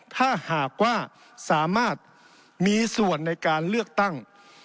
ถ้าหากว่าสามารถมีส่วนในการเลือกตั้ง